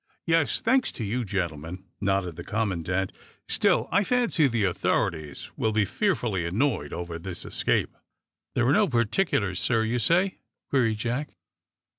"Yes, thanks to you, gentlemen," nodded the commandant. "Still, I fancy the authorities, will be fearfully annoyed over this escape." "There are no particulars, sir, you say?" queried Jack.